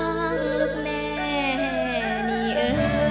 ขอบคุณค่ะ